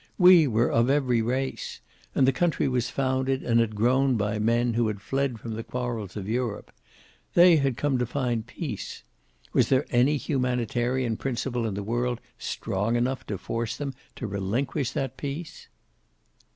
We were of every race. And the country was founded and had grown by men who had fled from the quarrels of Europe. They had come to find peace. Was there any humanitarian principle in the world strong enough to force them to relinquish that peace?